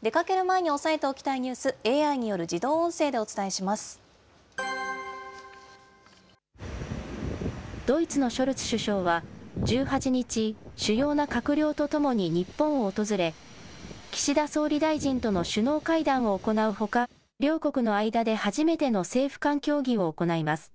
出かける前に押さえておきたいニュース、ＡＩによる自動音声でおドイツのショルツ首相は、１８日、主要な閣僚と共に日本を訪れ、岸田総理大臣との首脳会談を行うほか、両国の間で初めての政府間協議を行います。